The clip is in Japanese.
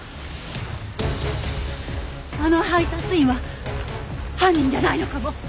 あの配達員は犯人じゃないのかも！